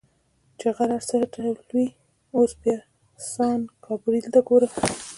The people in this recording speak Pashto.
چې غر څه ډول دی، اوس بیا سان ګبرېل ته وګوره.